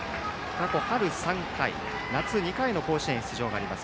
過去、春３回夏２回の甲子園出場があります